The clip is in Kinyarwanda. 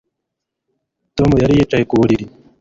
Tom yari yicaye ku buriri